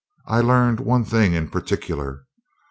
I learned one thing in particular.